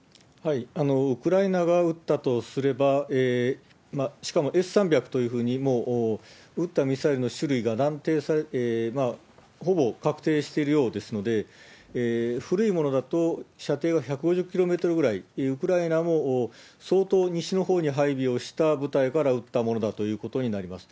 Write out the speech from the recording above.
ウクライナ側が撃ったとすれば、しかもＳ３００というふうに、もう撃ったミサイルの種類が断定されて、ほぼ確定しているようですので、古いものだと射程が１５０キロメートルウクライナも相当西のほうに配備をした部隊から撃ったものだということになります。